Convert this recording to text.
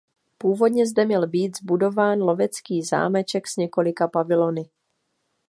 Původně zde měl být zbudován lovecký zámeček s několika pavilony.